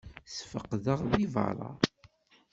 Ssfeqdeɣ deg berra.